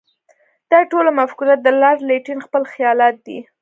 دا ټوله مفکوره د لارډ لیټن خپل خیالات دي.